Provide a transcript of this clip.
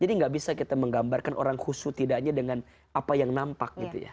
jadi gak bisa kita menggambarkan orang khusus tidaknya dengan apa yang nampak gitu ya